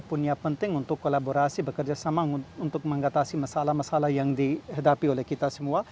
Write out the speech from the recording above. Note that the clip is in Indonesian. punya penting untuk kolaborasi bekerja sama untuk mengatasi masalah masalah yang dihadapi oleh kita semua